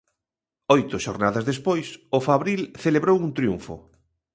Oito xornadas despois, o Fabril celebrou un triunfo.